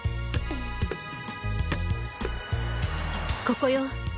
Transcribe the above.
ここよ。